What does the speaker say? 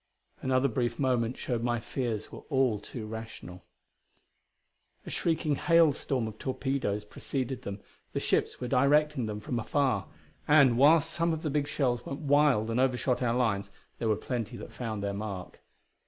Another brief moment showed my fears were all too rational. A shrieking hailstorm of torpedoes preceded them; the ships were directing them from afar. And, while some of the big shells went wild and overshot our lines, there were plenty that found their mark.